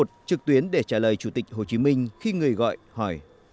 trực tuyến để trả lời chủ tịch hồ chí minh khi người gọi hỏi